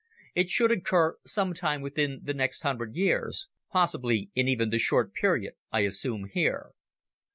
It should occur some time within the next hundred years, possibly in even the short period I assume here.